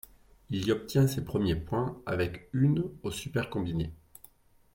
Il y obtient ses premiers points avec une au super-combiné.